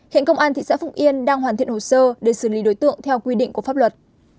hiện công an thị xã phụng yên đang hoàn thiện hồ sơ để xử lý đối tượng theo quy định của pháp luật